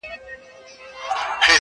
پخوا به سترګه سوځېدله د بابا له ږیري؛